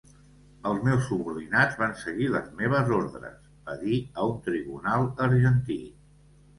Els meus subordinats van seguir les meves ordres, va dir a un tribunal argentí.